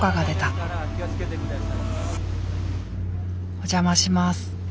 お邪魔します。